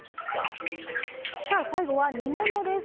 さあ最後は煮物です。